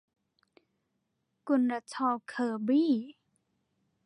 กุลธรเคอร์บี้